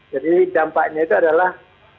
jadi dampaknya itu adalah